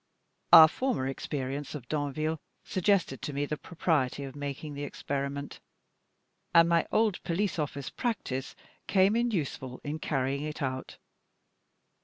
Our former experience of Danville suggested to me the propriety of making the experiment, and my old police office practice came in useful in carrying it out.